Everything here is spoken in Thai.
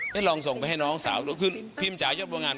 ให้ลองส่งไปให้น้องสาวตัวคืนพีมจาอย่างบางงาน